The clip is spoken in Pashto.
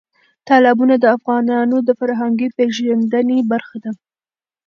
تالابونه د افغانانو د فرهنګي پیژندنې برخه ده.